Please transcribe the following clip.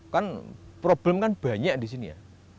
kan problem kan banyak di sini ya